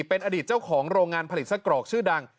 เป็นอดีตเจ้าของโรงงานผลิตไส้กรอกชื่อดัง